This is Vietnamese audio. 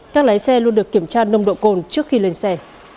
các lái xe luôn được kiểm tra nông độ cồn trước khi lên xe